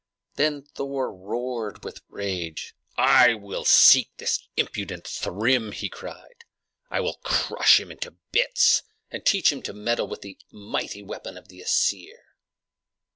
Then Thor roared with rage. "I will seek this impudent Thrym!" he cried. "I will crush him into bits, and teach him to meddle with the weapon of the Æsir!"